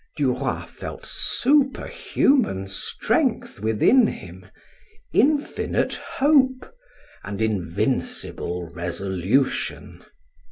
'" Duroy felt superhuman strength within him, infinite hope, and invincible resolution.